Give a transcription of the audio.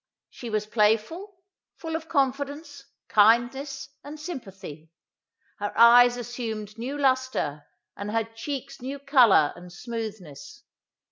She was playful, full of confidence, kindness and sympathy. Her eyes assumed new lustre, and her cheeks new colour and smoothness.